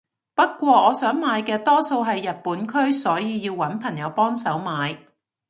不過我想買嘅多數係日本區所以要搵朋友幫手買